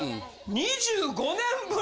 ２５年ぶり？